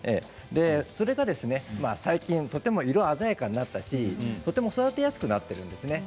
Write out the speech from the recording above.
それが最近とても色鮮やかになってとても育てやすくなっているんです。